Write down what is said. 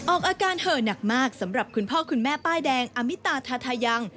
ออกอาการเห่อหนักมากสำหรับคุณพ่อคุณแม่ป้ายแดงอมิตาทาทายัง